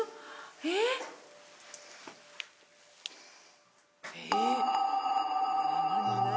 えっええ？